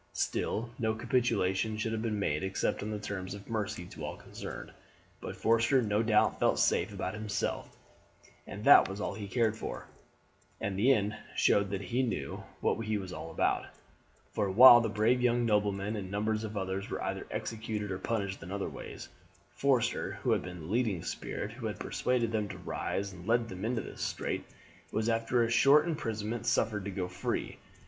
Still, no capitulation should have been made except on the terms of mercy to all concerned. But Forster no doubt felt safe about himself, and that was all he cared for; and the end showed that he knew what he was about, for while all the brave young noblemen, and numbers of others, were either executed or punished in other ways, Forster, who had been the leading spirit who had persuaded them to rise, and led them into this strait, was after a short imprisonment suffered to go free.